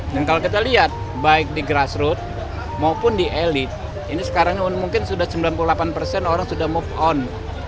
dan kalau kita lihat baik di grassroots maupun di elite ini sekarang mungkin sudah sembilan puluh delapan persen orang sudah move on